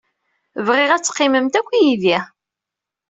Bɣiɣ ad teqqimemt akk yid-i.